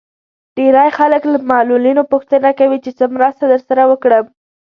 ډېری خلک له معلولينو پوښتنه کوي چې څه مرسته درسره وکړم.